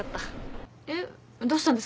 えっどうしたんですか？